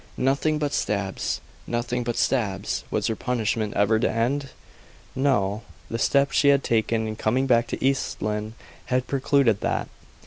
Nothing but stabs; nothing but stabs! Was her punishment ever to end? No. The step she had taken in coming back to East Lynne had precluded that.